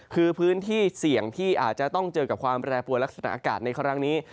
คือพื้นที่เสี่ยงที่อาจจะต้องเจอกับความแปรปวดลักษณะอากาศในครั้งนี้